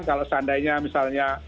kalau seandainya misalnya